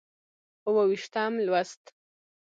اووه ویشتم لوست